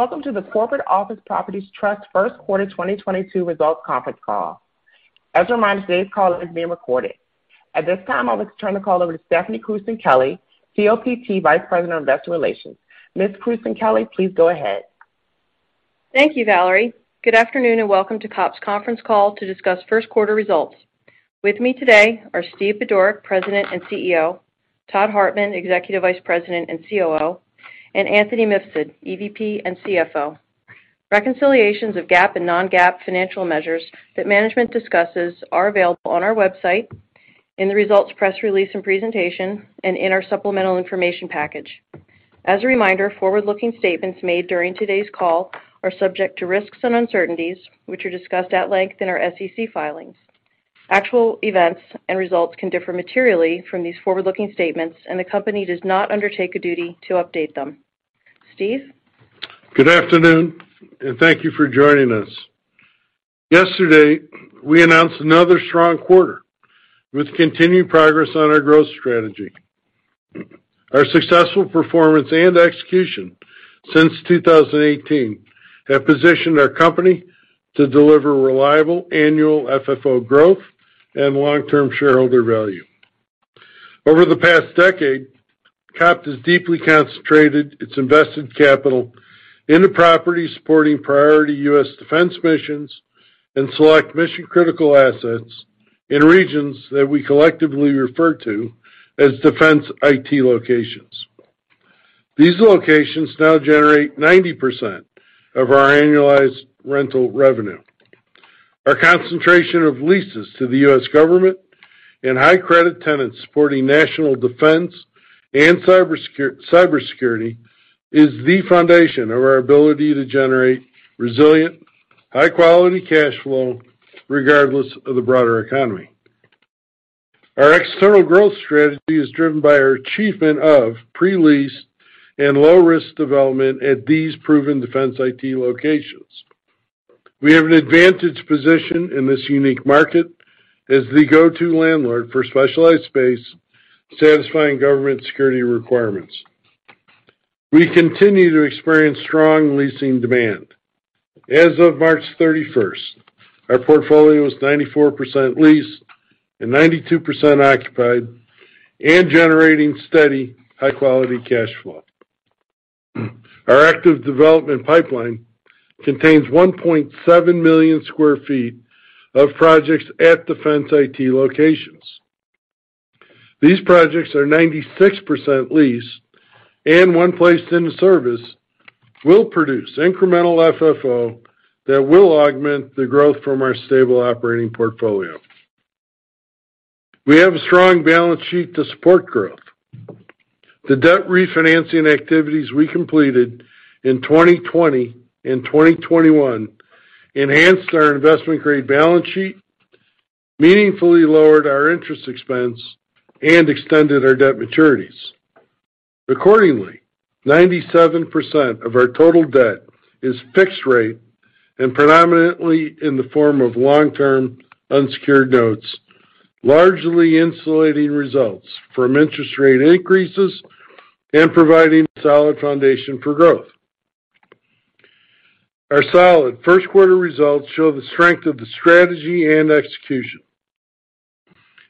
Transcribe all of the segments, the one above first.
Welcome to the Corporate Office Properties Trust first quarter 2022 results conference call. As a reminder, today's call is being recorded. At this time, I would like to turn the call over to Stephanie Krewson-Kelly, COPT Vice President of Investor Relations. Ms. Krewson-Kelly, please go ahead. Thank you, Valerie. Good afternoon, and welcome to COPT's conference call to discuss first quarter results. With me today are Steve Budorick, President and CEO, Todd Hartman, Executive Vice President and COO, and Anthony Mifsud, EVP and CFO. Reconciliations of GAAP and non-GAAP financial measures that management discusses are available on our website in the results press release and presentation and in our supplemental information package. As a reminder, forward-looking statements made during today's call are subject to risks and uncertainties, which are discussed at length in our SEC filings. Actual events and results can differ materially from these forward-looking statements, and the company does not undertake a duty to update them. Steve. Good afternoon, and thank you for joining us. Yesterday, we announced another strong quarter with continued progress on our growth strategy. Our successful performance and execution since 2018 have positioned our company to deliver reliable annual FFO growth and long-term shareholder value. Over the past decade, COPT has deeply concentrated its invested capital into properties supporting priority U.S. defense missions and select mission-critical assets in regions that we collectively refer to as defense IT locations. These locations now generate 90% of our annualized rental revenue. Our concentration of leases to the U.S. government and high credit tenants supporting national defense and cybersecurity is the foundation of our ability to generate resilient, high-quality cash flow regardless of the broader economy. Our external growth strategy is driven by our achievement of pre-lease and low risk development at these proven defense IT locations. We have an advantage position in this unique market as the go-to landlord for specialized space satisfying government security requirements. We continue to experience strong leasing demand. As of March thirty-first, our portfolio was 94% leased and 92% occupied and generating steady, high-quality cash flow. Our active development pipeline contains 1.7 million sq ft of projects at Defense/IT Locations. These projects are 96% leased, and when placed into service, will produce incremental FFO that will augment the growth from our stable operating portfolio. We have a strong balance sheet to support growth. The debt refinancing activities we completed in 2020 and 2021 enhanced our investment-grade balance sheet, meaningfully lowered our interest expense, and extended our debt maturities. Accordingly, 97% of our total debt is fixed rate and predominantly in the form of long-term unsecured notes, largely insulating results from interest rate increases and providing solid foundation for growth. Our solid first quarter results show the strength of the strategy and execution.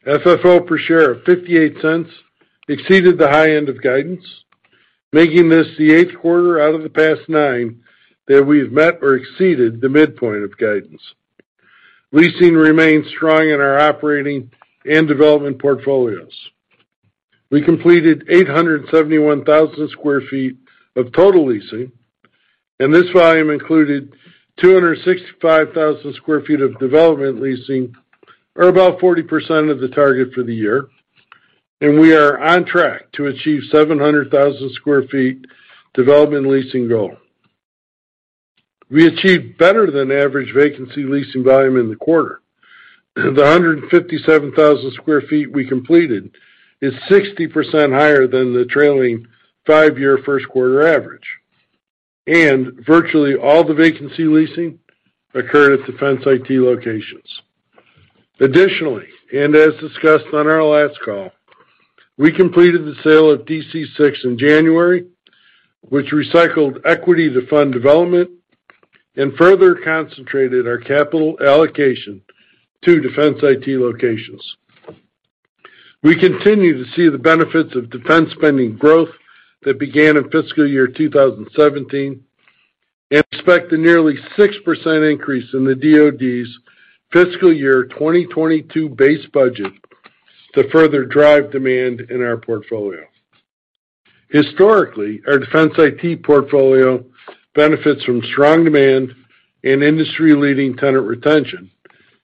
FFO per share of $0.58 exceeded the high end of guidance, making this the eighth quarter out of the past nine that we've met or exceeded the midpoint of guidance. Leasing remains strong in our operating and development portfolios. We completed 871,000 sq ft of total leasing, and this volume included 265,000 sq ft of development leasing or about 40% of the target for the year, and we are on track to achieve 700,000 sq ft development leasing goal. We achieved better than average vacancy leasing volume in the quarter. The 157,000 sq ft we completed is 60% higher than the trailing five-year first quarter average, and virtually all the vacancy leasing occurred at Defense/IT Locations. Additionally, and as discussed on our last call, we completed the sale of DC Six in January, which recycled equity to fund development and further concentrated our capital allocation to Defense/IT Locations. We continue to see the benefits of defense spending growth that began in fiscal year 2017 and expect a nearly 6% increase in the DoD's fiscal year 2022 base budget to further drive demand in our portfolio. Historically, our Defense/IT Locations portfolio benefits from strong demand and industry-leading tenant retention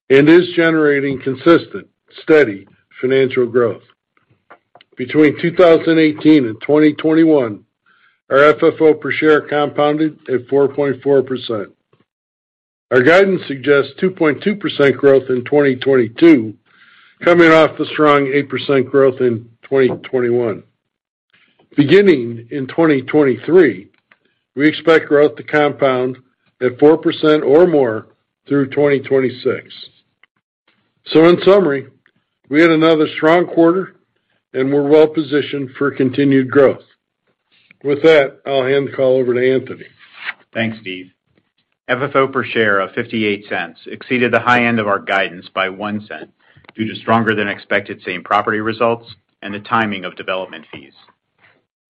and is generating consistent, steady financial growth. Between 2018 and 2021, our FFO per share compounded at 4.4%. Our guidance suggests 2.2% growth in 2022, coming off the strong 8% growth in 2021. Beginning in 2023, we expect growth to compound at 4% or more through 2026. In summary, we had another strong quarter and we're well-positioned for continued growth. With that, I'll hand the call over to Anthony Mifsud. Thanks, Steve. FFO per share of $0.58 exceeded the high end of our guidance by $0.01 due to stronger than expected same-property results and the timing of development fees.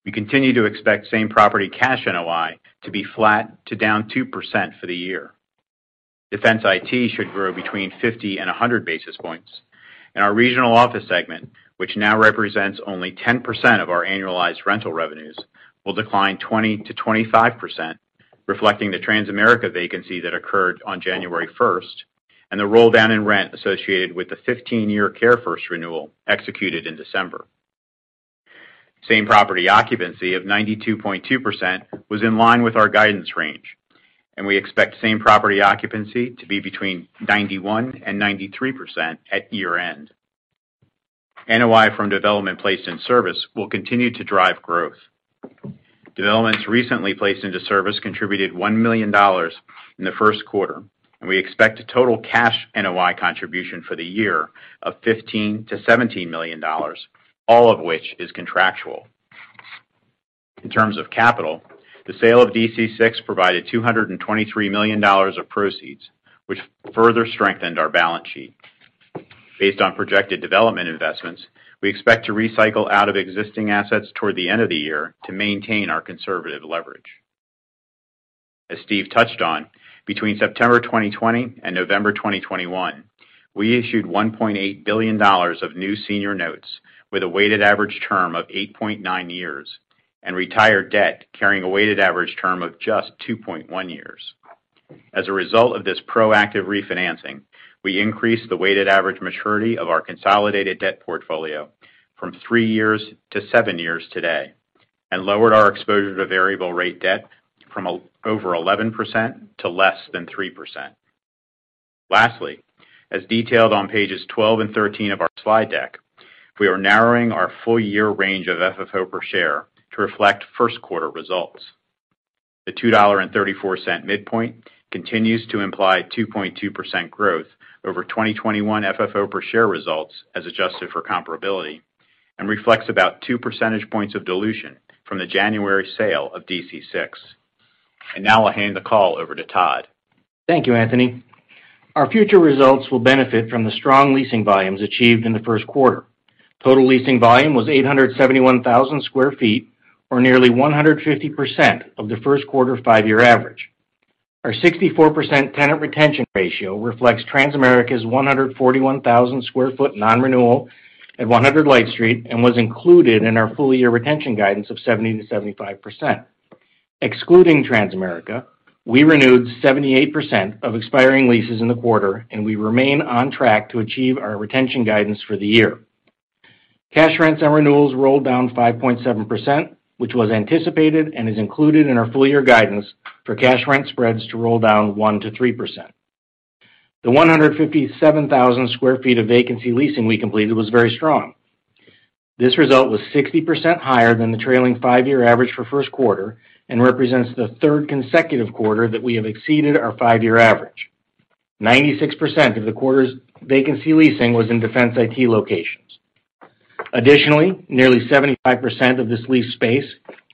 We continue to expect same-property cash NOI to be flat to down 2% for the year. Defense IT should grow between 50 and 100 basis points. Our regional office segment, which now represents only 10% of our annualized rental revenues, will decline 20%-25%, reflecting the Transamerica vacancy that occurred on January 1st, and the roll-down in rent associated with the 15-year CareFirst renewal executed in December. Same-property occupancy of 92.2% was in line with our guidance range, and we expect same-property occupancy to be between 91% and 93% at year-end. NOI from development placed in service will continue to drive growth. Developments recently placed into service contributed $1 million in the first quarter, and we expect a total cash NOI contribution for the year of $15-$17 million, all of which is contractual. In terms of capital, the sale of DC Six provided $223 million of proceeds, which further strengthened our balance sheet. Based on projected development investments, we expect to recycle out of existing assets toward the end of the year to maintain our conservative leverage. As Steve touched on, between September 2020 and November 2021, we issued $1.8 billion of new senior notes with a weighted average term of 8.9 years and retired debt carrying a weighted average term of just 2.1 years. As a result of this proactive refinancing, we increased the weighted average maturity of our consolidated debt portfolio from three years-seven years today and lowered our exposure to variable rate debt from over 11% to less than 3%. Lastly, as detailed on pages 12 and 13 of our slide deck, we are narrowing our full year range of FFO per share to reflect first quarter results. The $2.34 midpoint continues to imply 2.2% growth over 2021 FFO per share results as adjusted for comparability and reflects about 2 percentage points of dilution from the January sale of DC Six. Now I'll hand the call over to Todd. Thank you, Anthony. Our future results will benefit from the strong leasing volumes achieved in the first quarter. Total leasing volume was 871,000 sq ft, or nearly 150% of the first quarter five-year average. Our 64% tenant retention ratio reflects Transamerica's 141,000 sq ft non-renewal at 100 Light Street and was included in our full year retention guidance of 70%-75%. Excluding Transamerica, we renewed 78% of expiring leases in the quarter, and we remain on track to achieve our retention guidance for the year. Cash rents and renewals rolled down 5.7%, which was anticipated and is included in our full year guidance for cash rent spreads to roll down 1%-3%. The 157,000 sq ft of vacancy leasing we completed was very strong. This result was 60% higher than the trailing five-year average for first quarter and represents the third consecutive quarter that we have exceeded our five-year average. 96% of the quarter's vacancy leasing was in Defense/IT Locations. Additionally, nearly 75% of this leased space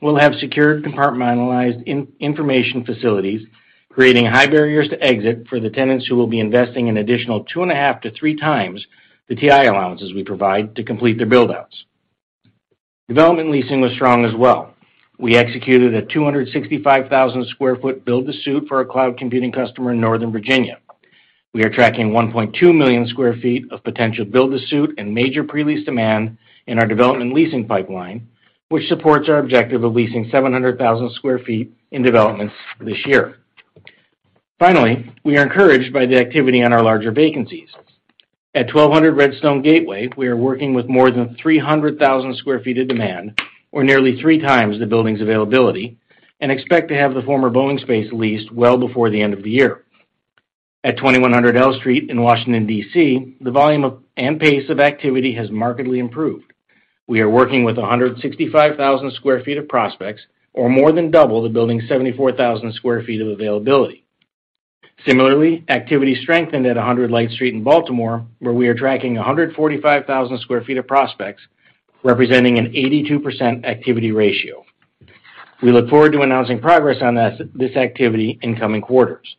will have secure compartmentalized information facilities, creating high barriers to exit for the tenants who will be investing an additional 2.5x-3x the TI allowances we provide to complete their build-outs. Development leasing was strong as well. We executed a 265,000 sq ft build-to-suit for our cloud computing customer in Northern Virginia. We are tracking 1.2 million sq ft of potential build-to-suit and major pre-lease demand in our development leasing pipeline, which supports our objective of leasing 700,000 sq ft in developments this year. Finally, we are encouraged by the activity on our larger vacancies. At 1,200 Redstone Gateway, we are working with more than 300,000 sq ft of demand or nearly three times the building's availability, and expect to have the former Boeing space leased well before the end of the year. At 2,100 L Street in Washington, D.C., the volume and pace of activity has markedly improved. We are working with 165,000 sq ft of prospects or more than double the building's 74,000 sq ft of availability. Similarly, activity strengthened at 100 Light Street in Baltimore, where we are tracking 145,000 sq ft of prospects, representing an 82% activity ratio. We look forward to announcing progress on this activity in coming quarters.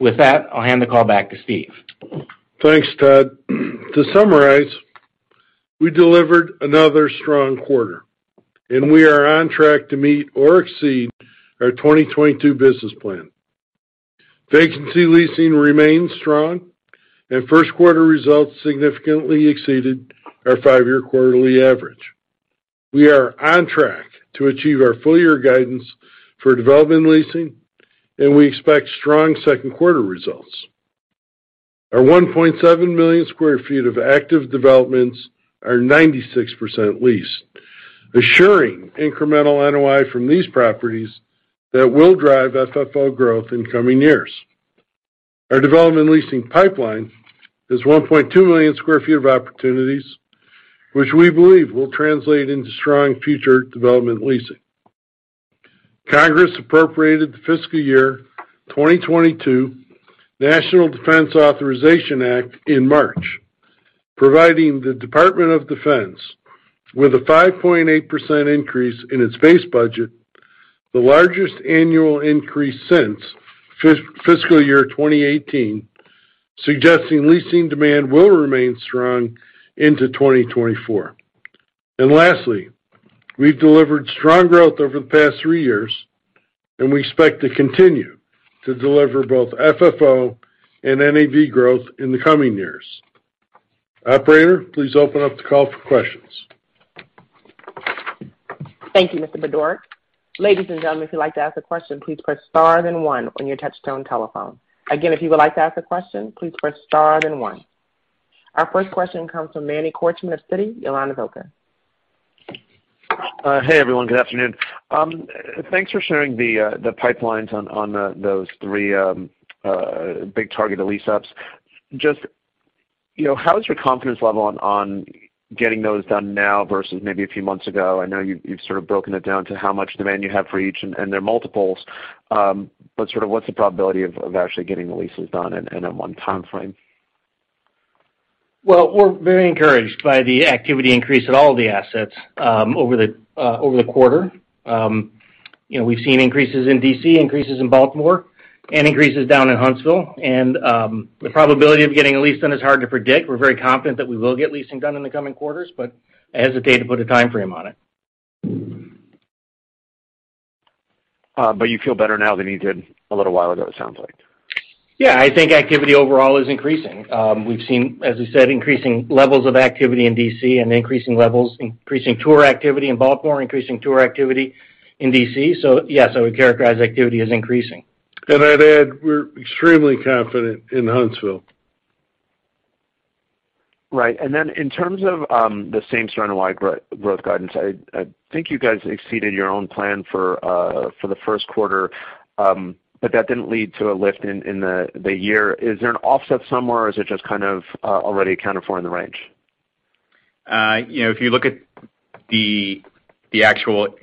With that, I'll hand the call back to Steve. Thanks, Todd. To summarize, we delivered another strong quarter, and we are on track to meet or exceed our 2022 business plan. Vacancy leasing remains strong, and first quarter results significantly exceeded our five-year quarterly average. We are on track to achieve our full year guidance for development leasing, and we expect strong second quarter results. Our 1.7 million sq ft of active developments are 96% leased, assuring incremental NOI from these properties that will drive FFO growth in coming years. Our development leasing pipeline is 1.2 million sq ft of opportunities which we believe will translate into strong future development leasing. Congress appropriated the fiscal year 2022 National Defense Authorization Act in March, providing the Department of Defense with a 5.8% increase in its base budget, the largest annual increase since fiscal year 2018, suggesting leasing demand will remain strong into 2024. Lastly, we've delivered strong growth over the past three years, and we expect to continue to deliver both FFO and NAV growth in the coming years. Operator, please open up the call for questions. Thank you, Mr. Budorick. Ladies and gentlemen, if you'd like to ask a question, please press star then one on your touchtone telephone. Again, if you would like to ask a question, please press star then one. Our first question comes from Manny Korchman of Citi. Your line is open. Hey everyone. Good afternoon. Thanks for sharing the pipelines on those three big target lease ups. Just, you know, how is your confidence level on getting those done now versus maybe a few months ago? I know you've sort of broken it down to how much demand you have for each and their multiples, but sort of what's the probability of actually getting the leases done and in one timeframe? Well, we're very encouraged by the activity increase at all of the assets over the quarter. You know, we've seen increases in D.C., increases in Baltimore, and increases down in Huntsville. The probability of getting a lease done is hard to predict. We're very confident that we will get leasing done in the coming quarters, but I hesitate to put a timeframe on it. You feel better now than you did a little while ago, it sounds like. Yeah. I think activity overall is increasing. We've seen, as we said, increasing levels of activity in D.C. and increasing tour activity in Baltimore, increasing tour activity in D.C. Yeah, so we characterize activity as increasing. I'd add, we're extremely confident in Huntsville. Right. In terms of the same store NOI growth guidance, I think you guys exceeded your own plan for the first quarter, but that didn't lead to a lift in the year. Is there an offset somewhere, or is it just kind of already accounted for in the range? You know, if you look at the actual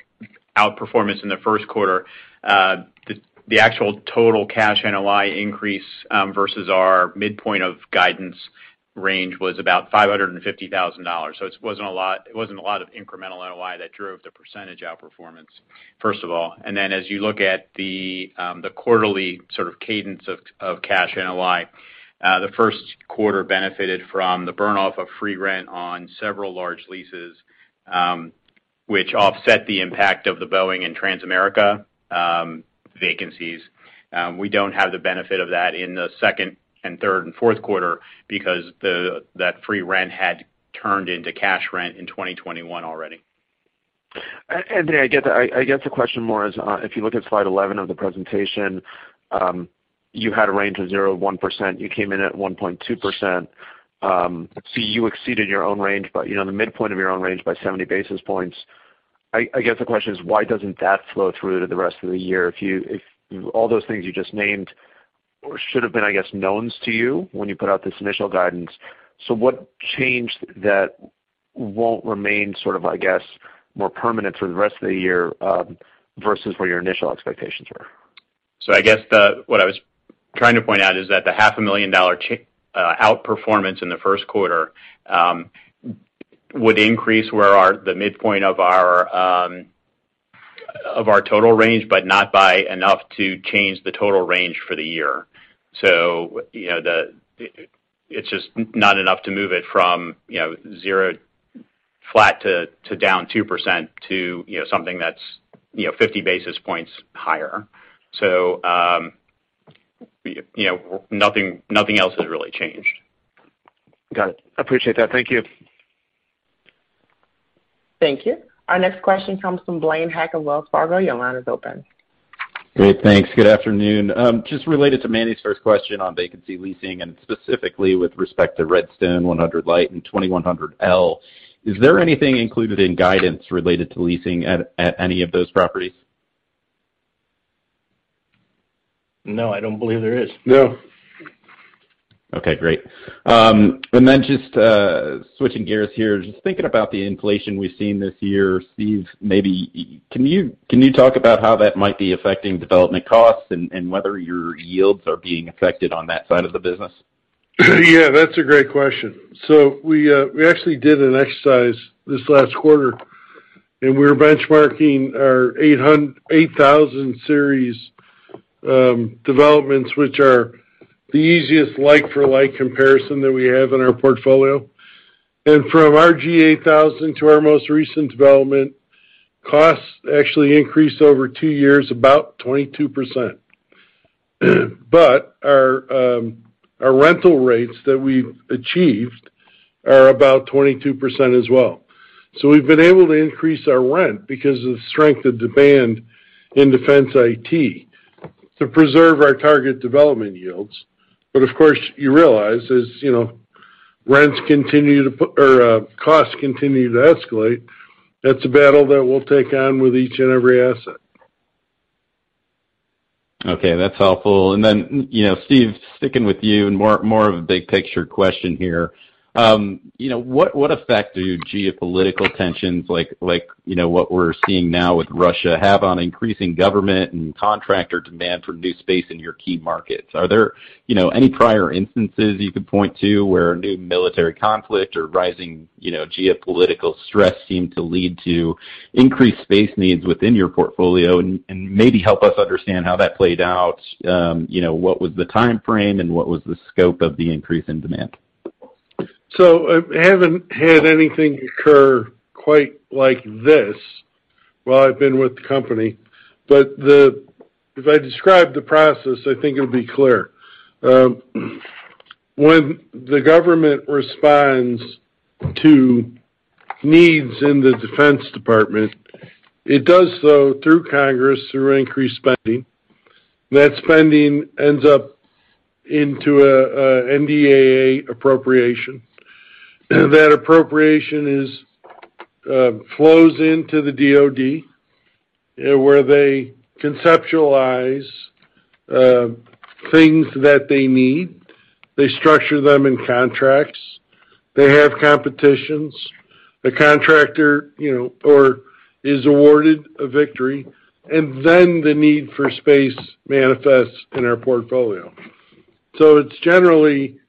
outperformance in the first quarter, the actual total cash NOI increase versus our midpoint of guidance range was about $550,000. So it wasn't a lot of incremental NOI that drove the percentage outperformance, first of all. Then as you look at the quarterly sort of cadence of cash NOI, the first quarter benefited from the burn off of free rent on several large leases, which offset the impact of the Boeing and Transamerica vacancies. We don't have the benefit of that in the second and third and fourth quarter because that free rent had turned into cash rent in 2021 already. I get that. I guess the question more is, if you look at slide 11 of the presentation, you had a range of 0%-1%. You came in at 1.2%. So you exceeded your own range by, you know, the midpoint of your own range by 70 basis points. I guess the question is, why doesn't that flow through to the rest of the year if all those things you just named should have been, I guess, knowns to you when you put out this initial guidance. What changed that won't remain sort of, I guess, more permanent for the rest of the year, versus where your initial expectations were? I guess what I was trying to point out is that the half a million dollars outperformance in the first quarter would increase the midpoint of our total range, but not by enough to change the total range for the year. You know. It's just not enough to move it from you know zero flat to down 2% to you know something that's you know 50 basis points higher. You know, nothing else has really changed. Got it. Appreciate that. Thank you. Thank you. Our next question comes from Blaine Heck of Wells Fargo. Your line is open. Great. Thanks. Good afternoon. Just related to Manny's first question on vacancy leasing and specifically with respect to Redstone, 100 Light, and 2100 L. Is there anything included in guidance related to leasing at any of those properties? No, I don't believe there is. No. Okay, great. Just switching gears here, just thinking about the inflation we've seen this year, Steve, maybe can you talk about how that might be affecting development costs and whether your yields are being affected on that side of the business? Yeah, that's a great question. We actually did an exercise this last quarter, and we were benchmarking our 8000 series developments, which are the easiest like for like comparison that we have in our portfolio. From our 8000 to our most recent development, costs actually increased over two years about 22%. Our rental rates that we've achieved are about 22% as well. We've been able to increase our rent because of the strength of demand in defense IT to preserve our target development yields. Of course, you realize as, you know, costs continue to escalate, that's a battle that we'll take on with each and every asset. Okay, that's helpful. Then, you know, Steve, sticking with you and more of a big picture question here. You know, what effect do geopolitical tensions like, you know, what we're seeing now with Russia have on increasing government and contractor demand for new space in your key markets? Are there, you know, any prior instances you could point to where new military conflict or rising, you know, geopolitical stress seem to lead to increased space needs within your portfolio? And maybe help us understand how that played out. You know, what was the timeframe and what was the scope of the increase in demand? I haven't had anything occur quite like this while I've been with the company. If I describe the process, I think it'll be clear. When the government responds to needs in the Defense Department, it does so through Congress, through increased spending. That spending ends up into a NDAA appropriation. That appropriation flows into the DoD, where they conceptualize things that they need. They structure them in contracts. They have competitions. A contractor, you know, is awarded a victory, and then the need for space manifests in our portfolio. It's generally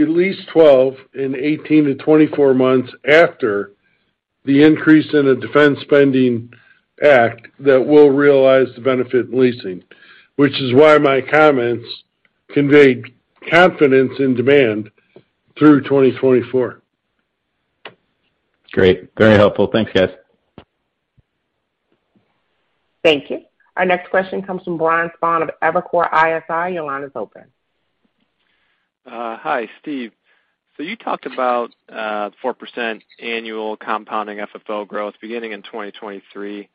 at least 12-18 to 24 months after the increase in a defense spending act that we'll realize the benefit in leasing, which is why my comments conveyed confidence in demand through 2024. Great. Very helpful. Thanks, guys. Thank you. Our next question comes from Brian Spahn of Evercore ISI. Your line is open. Hi, Steve. You talked about 4% annual compounding FFO growth beginning in 2023.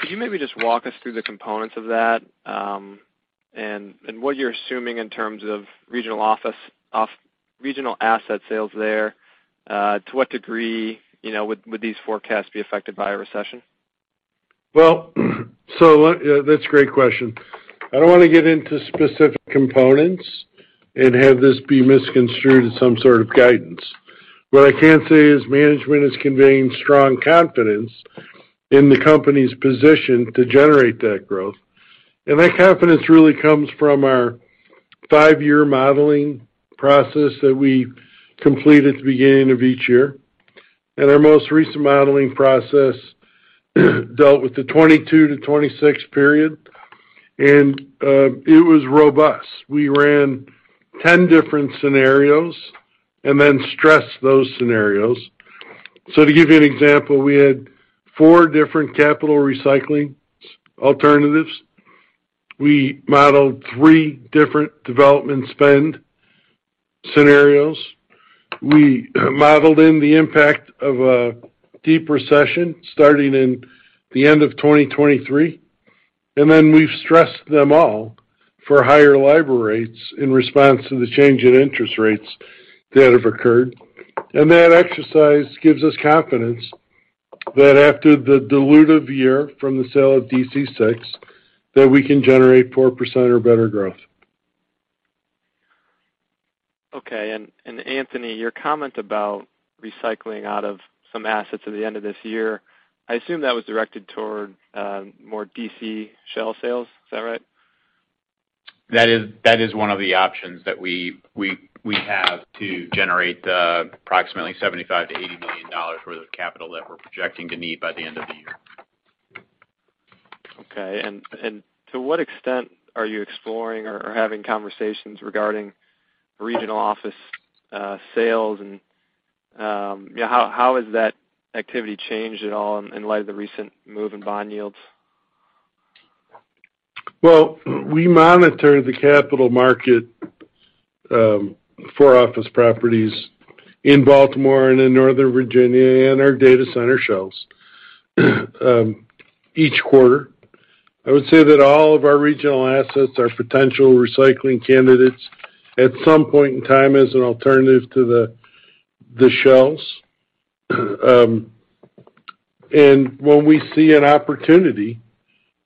Could you maybe just walk us through the components of that, and what you're assuming in terms of regional asset sales there? To what degree, you know, would these forecasts be affected by a recession? That's a great question. I don't wanna get into specific components and have this be misconstrued as some sort of guidance. What I can say is management is conveying strong confidence in the company's position to generate that growth. That confidence really comes from our five-year modeling process that we complete at the beginning of each year. Our most recent modeling process dealt with the 2022-2026 period, and it was robust. We ran 10 different scenarios and then stressed those scenarios. To give you an example, we had four different capital recycling alternatives. We modeled 3 different development spend scenarios. We modeled in the impact of a deep recession starting in the end of 2023, and then we've stressed them all for higher LIBOR rates in response to the change in interest rates that have occurred. That exercise gives us confidence that after the dilutive year from the sale of DC Six, that we can generate 4% or better growth. Okay. Anthony, your comment about recycling out of some assets at the end of this year, I assume that was directed toward more D.C. shell sales. Is that right? That is one of the options that we have to generate the approximately $75 million-$80 million worth of capital that we're projecting to need by the end of the year. Okay. To what extent are you exploring or having conversations regarding regional office sales? How has that activity changed at all in light of the recent move in bond yields? Well, we monitor the capital market for office properties in Baltimore and in Northern Virginia and our data center shelves each quarter. I would say that all of our regional assets are potential recycling candidates at some point in time as an alternative to the shelves. When we see an opportunity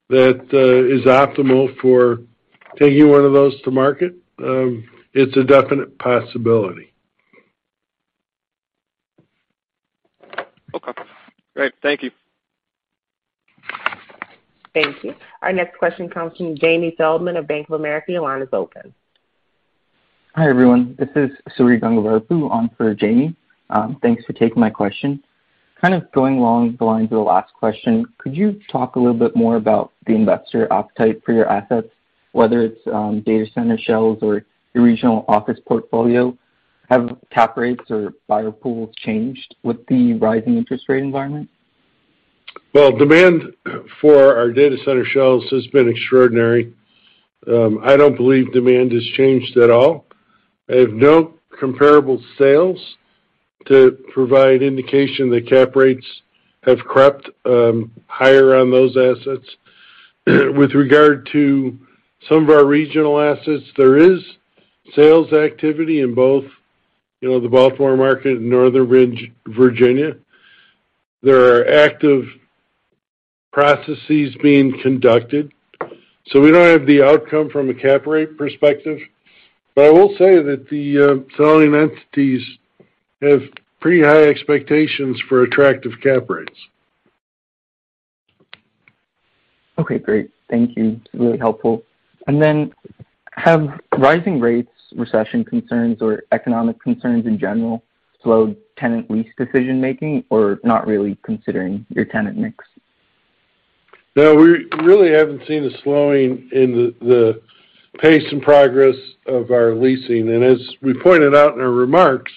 that is optimal for taking one of those to market, it's a definite possibility. Okay. Great. Thank you. Thank you. Our next question comes from Jamie Feldman of Bank of America. Your line is open. Hi, everyone. This is Suri Gangulapu on for Jamie. Thanks for taking my question. Kind of going along the lines of the last question, could you talk a little bit more about the investor appetite for your assets, whether it's data center shelves or your regional office portfolio? Have cap rates or buyer pools changed with the rising interest rate environment? Well, demand for our data center shelves has been extraordinary. I don't believe demand has changed at all. I have no comparable sales to provide indication that cap rates have crept higher on those assets. With regard to some of our regional assets, there is sales activity in both, you know, the Baltimore market and Northern Virginia. There are active processes being conducted, so we don't have the outcome from a cap rate perspective. I will say that the selling entities have pretty high expectations for attractive cap rates. Okay, great. Thank you. It's really helpful. Have rising rates, recession concerns, or economic concerns in general slowed tenant lease decision-making or not really considering your tenant mix? No, we really haven't seen a slowing in the pace and progress of our leasing. As we pointed out in our remarks,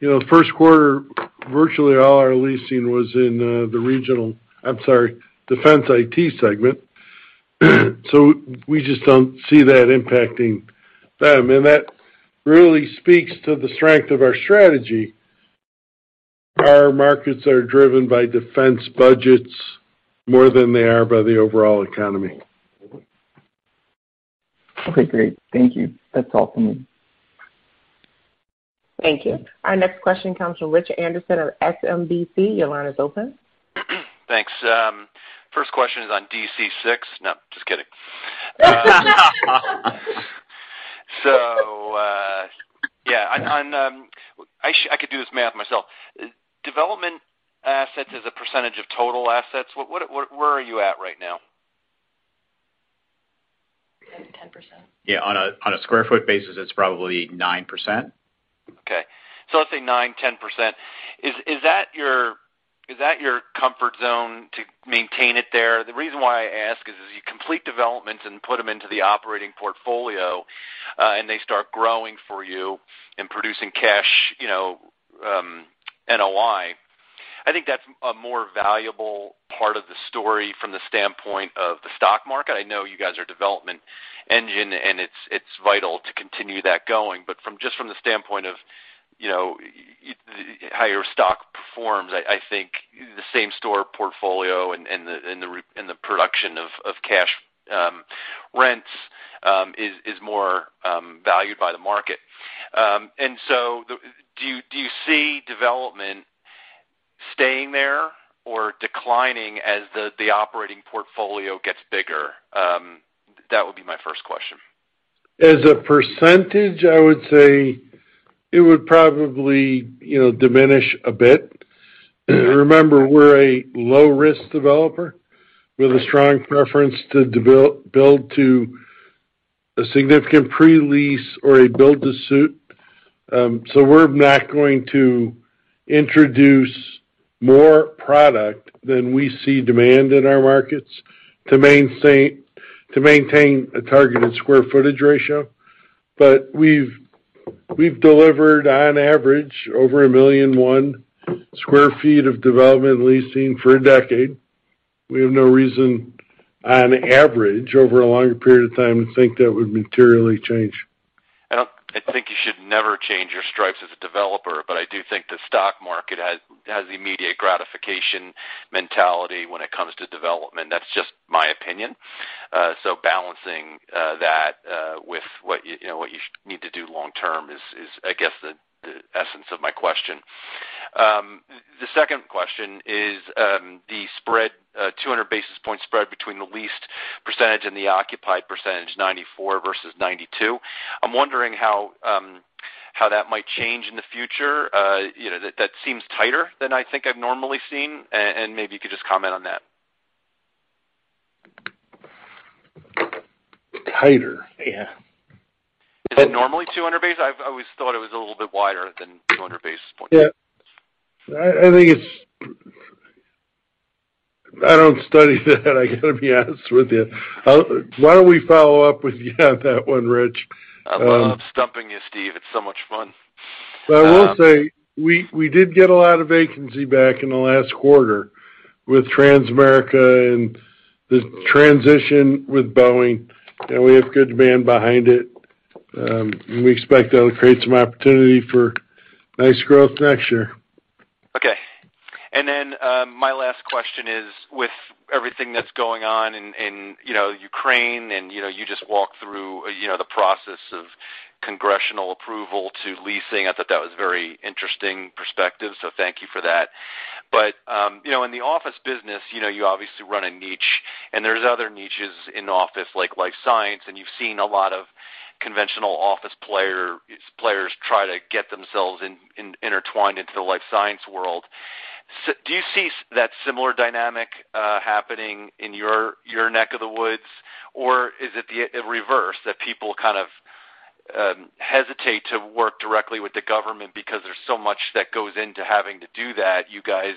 you know, first quarter, virtually all our leasing was in the defense IT segment. We just don't see that impacting them. That really speaks to the strength of our strategy. Our markets are driven by defense budgets more than they are by the overall economy. Okay, great. Thank you. That's all for me. Thank you. Our next question comes from Rich Anderson of SMBC. Your line is open. Thanks. First question is on DC Six. No, just kidding. Yeah. On, I could do this math myself. Development assets as a percentage of total assets, what, where are you at right now? 10%. Yeah, on a square foot basis, it's probably 9%. Okay. Let's say 9%-10%. Is that your comfort zone to maintain it there? The reason why I ask is as you complete development and put them into the operating portfolio, and they start growing for you and producing cash, you know, NOI. I think that's a more valuable part of the story from the standpoint of the stock market. I know you guys are a development engine, and it's vital to continue that going. But from just the standpoint of, you know, how your stock performs, I think the same store portfolio and the production of cash rents is more valued by the market. Do you see development staying there or declining as the operating portfolio gets bigger? That would be my first question. As a percentage, I would say it would probably, you know, diminish a bit. Remember, we're a low-risk developer with a strong preference to build to a significant pre-lease or a build to suit. We're not going to introduce more product than we see demand in our markets to maintain a targeted sq ft ratio. We've delivered on average over 1.1 million sq ft of development leasing for a decade. We have no reason, on average, over a longer period of time, to think that would materially change. I don't think you should never change your stripes as a developer, but I do think the stock market has immediate gratification mentality when it comes to development. That's just my opinion. Balancing that with what you know what you need to do long term is, I guess, the essence of my question. The second question is the 200 basis points spread between the leased percentage and the occupied percentage, 94% versus 92%. I'm wondering how that might change in the future. You know, that seems tighter than I think I've normally seen, and maybe you could just comment on that. Tighter? Yeah. Is it normally 200 basis? I always thought it was a little bit wider than 200 basis point. Yeah. I don't study that, I gotta be honest with you. Why don't we follow up with you on that one, Rich? I love stumping you, Steve. It's so much fun. I will say we did get a lot of vacancy back in the last quarter with Transamerica and the transition with Boeing, and we have good demand behind it. We expect that'll create some opportunity for nice growth next year. Okay. My last question is with everything that's going on in you know, Ukraine and you know, you just walk through you know, the process of congressional approval to leasing. I thought that was very interesting perspective, so thank you for that. You know, in the office business you know, you obviously run a niche, and there's other niches in office like life science, and you've seen a lot of conventional office players try to get themselves in intertwined into the life science world. Do you see that similar dynamic happening in your neck of the woods? Or is it the reverse that people kind of hesitate to work directly with the government because there's so much that goes into having to do that? You guys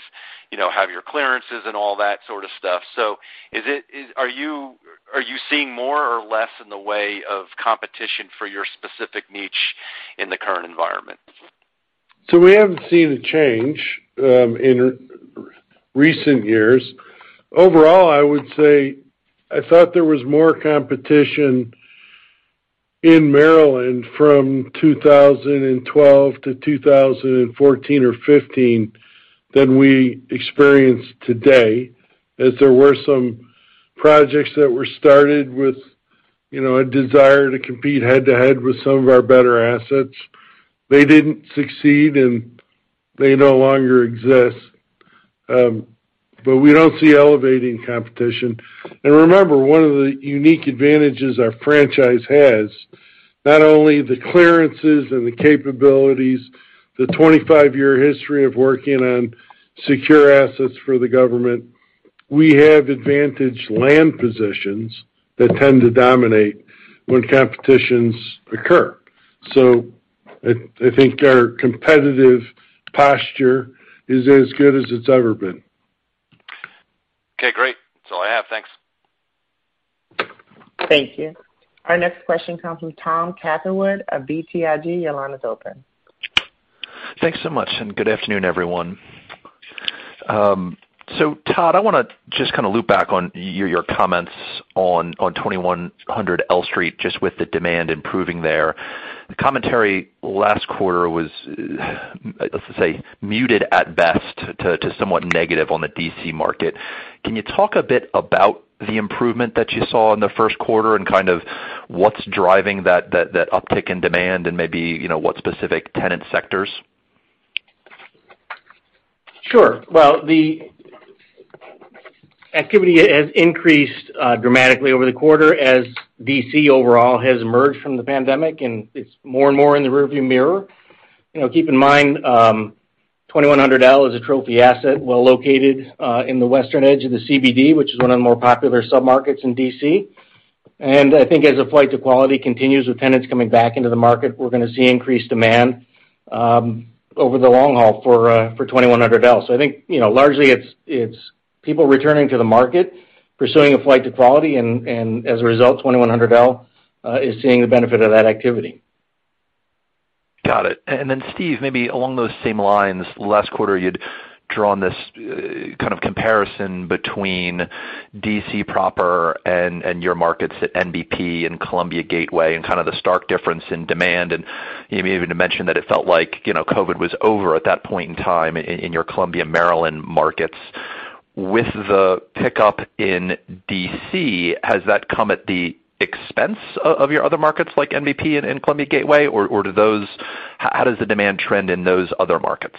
you know, have your clearances and all that sort of stuff. Are you seeing more or less in the way of competition for your specific niche in the current environment? We haven't seen a change in recent years. Overall, I would say I thought there was more competition in Maryland from 2012 to 2014 or 15 than we experience today, as there were some projects that were started with you know, a desire to compete head-to-head with some of our better assets. They didn't succeed, and they no longer exist. We don't see elevating competition. Remember, one of the unique advantages our franchise has, not only the clearances and the capabilities, the 25-year history of working on secure assets for the government, we have advantaged land positions that tend to dominate when competitions occur. I think our competitive posture is as good as it's ever been. Okay, great. That's all I have. Thanks. Thank you. Our next question comes from Tom Catherwood of BTIG. Your line is open. Thanks so much, and good afternoon, everyone. So Todd, I wanna just kind of loop back on your comments on 2100 L Street, just with the demand improving there. The commentary last quarter was, let's just say, muted at best to somewhat negative on the D.C. market. Can you talk a bit about the improvement that you saw in the first quarter and kind of what's driving that uptick in demand and maybe, you know, what specific tenant sectors? Sure. Well, the activity has increased dramatically over the quarter as D.C. overall has emerged from the pandemic, and it's more and more in the rearview mirror. You know, keep in mind, 2100 L is a trophy asset, well located in the western edge of the CBD, which is one of the more popular submarkets in D.C. I think as a flight to quality continues with tenants coming back into the market, we're gonna see increased demand over the long haul for 2100 L. I think, you know, largely it's people returning to the market, pursuing a flight to quality, and as a result, 2100 L is seeing the benefit of that activity. Got it. Then Steve, maybe along those same lines, last quarter, you'd drawn this kind of comparison between D.C. proper and your markets at NBP and Columbia Gateway and kind of the stark difference in demand. You even mentioned that it felt like, you know, COVID was over at that point in time in your Columbia, Maryland markets. With the pickup in D.C., has that come at the expense of your other markets like NBP and Columbia Gateway, or, how does the demand trend in those other markets?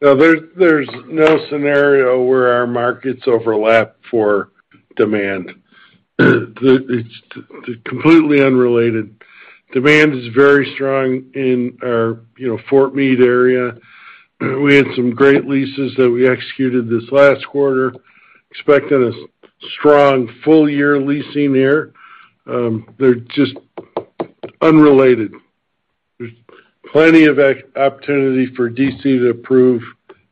No, there's no scenario where our markets overlap for demand. It's completely unrelated. Demand is very strong in our, you know, Fort Meade area. We had some great leases that we executed this last quarter, expecting a strong full year leasing there. They're just unrelated. There's plenty of opportunity for D.C. to approve,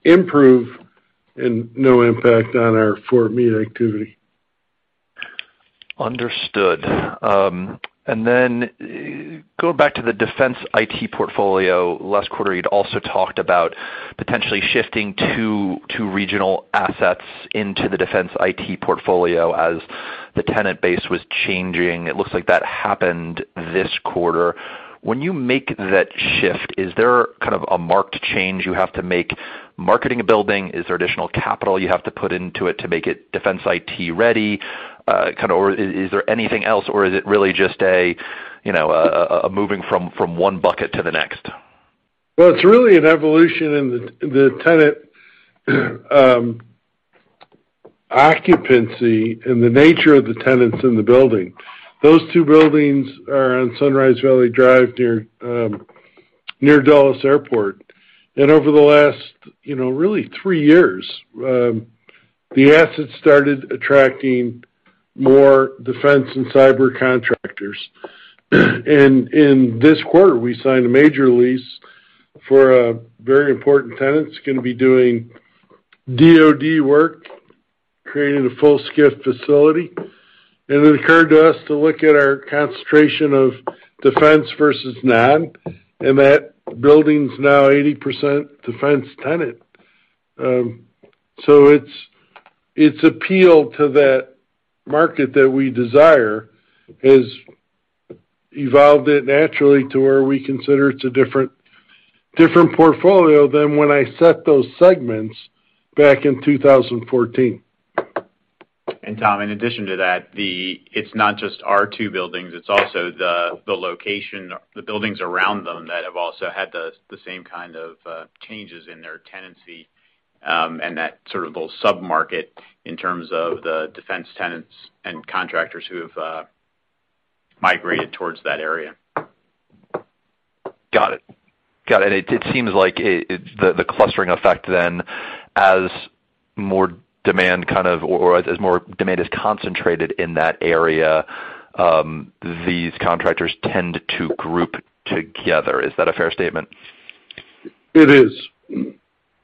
improve, and no impact on our Fort Meade activity. Understood. Going back to the defense IT portfolio, last quarter, you'd also talked about potentially shifting two regional assets into the defense IT portfolio as the tenant base was changing. It looks like that happened this quarter. When you make that shift, is there kind of a marked change you have to make marketing a building? Is there additional capital you have to put into it to make it defense IT ready? Kind of or is there anything else, or is it really just a, you know, a moving from one bucket to the next? Well, it's really an evolution in the tenant occupancy and the nature of the tenants in the building. Those two buildings are on Sunrise Valley Drive near Dulles Airport. Over the last, you know, really three years, the assets started attracting more defense and cyber contractors. In this quarter, we signed a major lease for a very important tenant that's gonna be doing DoD work, creating a full SCIF facility. It occurred to us to look at our concentration of defense versus non, and that building's now 80% defense tenant. It's appeal to that market that we desire has evolved it naturally to where we consider it's a different portfolio than when I set those segments back in 2014. Tom, in addition to that, it's not just our two buildings, it's also the location, the buildings around them that have also had the same kind of changes in their tenancy, and that sort of little submarket in terms of the defense tenants and contractors who have migrated towards that area. Got it. It seems like the clustering effect then as more demand kind of, or as more demand is concentrated in that area, these contractors tend to group together. Is that a fair statement? It is.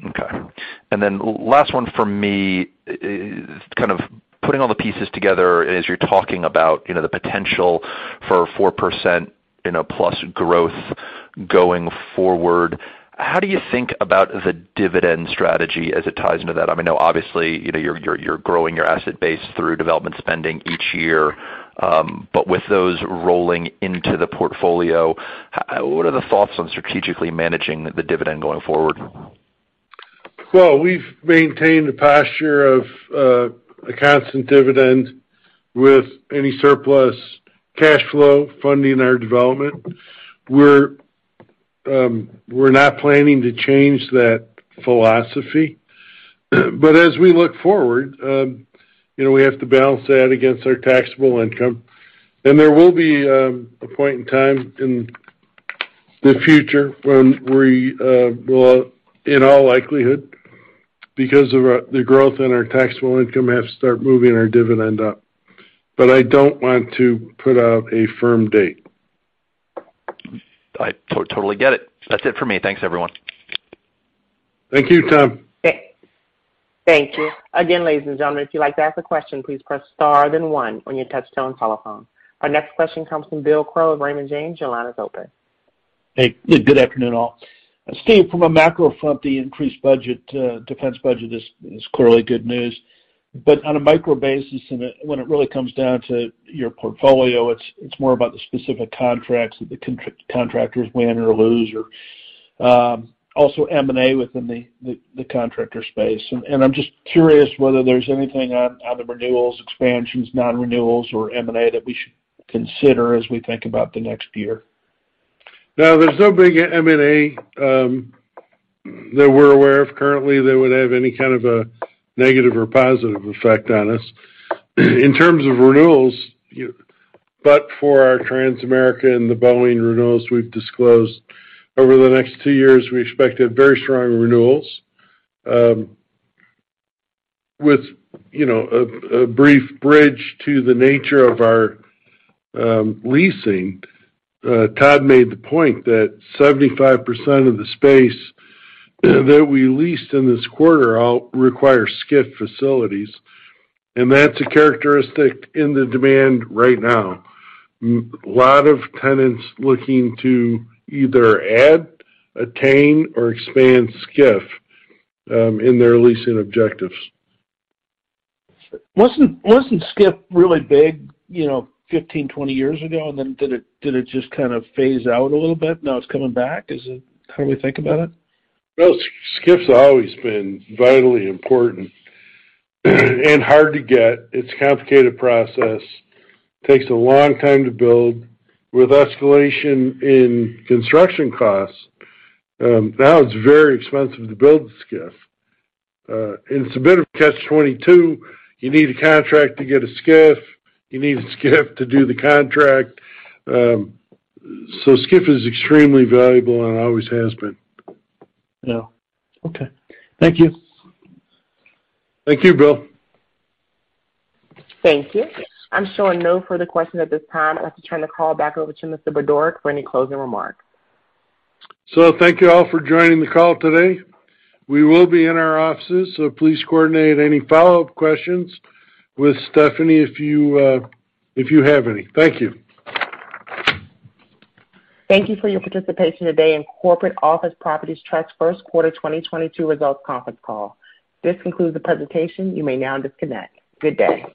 Okay. Last one for me. Kind of putting all the pieces together as you're talking about, you know, the potential for 4%+ growth going forward. How do you think about the dividend strategy as it ties into that? I mean, obviously, you know, you're growing your asset base through development spending each year. But with those rolling into the portfolio, what are the thoughts on strategically managing the dividend going forward? Well, we've maintained a posture of a constant dividend with any surplus cash flow funding our development. We're not planning to change that philosophy. As we look forward, you know, we have to balance that against our taxable income. There will be a point in time in the future when we will, in all likelihood, because of the growth in our taxable income, have to start moving our dividend up. I don't want to put out a firm date. I totally get it. That's it for me. Thanks, everyone. Thank you, Tom. Thank you. Again, ladies and gentlemen, if you'd like to ask a question, please press star then one on your touchtone telephone. Our next question comes from Bill Crow, Raymond James. Your line is open. Hey. Good afternoon, all. Steve, from a macro front, the increased budget, defense budget is clearly good news. But on a micro basis, when it really comes down to your portfolio, it's more about the specific contracts that the contractors win or lose, or also M&A within the contractor space. I'm just curious whether there's anything on the renewals, expansions, non-renewals or M&A that we should consider as we think about the next year. No, there's no big M&A that we're aware of currently that would have any kind of a negative or positive effect on us. In terms of renewals, but for our Transamerica and the Boeing renewals we've disclosed, over the next two years, we expected very strong renewals with you know a brief bridge to the nature of our leasing. Todd made the point that 75% of the space that we leased in this quarter all require SCIF facilities, and that's a characteristic in the demand right now. A lot of tenants looking to either add, attain, or expand SCIF in their leasing objectives. Wasn't SCIF really big, you know, 15, 20 years ago, and then did it just kind of phase out a little bit? Now it's coming back. Is it how we think about it? No. SCIF's always been vitally important and hard to get. It's a complicated process. Takes a long time to build. With escalation in construction costs, now it's very expensive to build a SCIF. It's a bit of a catch-22. You need a contract to get a SCIF. You need a SCIF to do the contract. SCIF is extremely valuable and always has been. Yeah. Okay. Thank you. Thank you, Bill. Thank you. I'm showing no further questions at this time. I'd like to turn the call back over to Mr. Budorick for any closing remarks. Thank you all for joining the call today. We will be in our offices, so please coordinate any follow-up questions with Stephanie if you have any. Thank you. Thank you for your participation today in Corporate Office Properties Trust first quarter 2022 results conference call. This concludes the presentation. You may now disconnect. Good day.